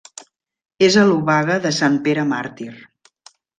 És a l'Obaga de Sant Pere Màrtir.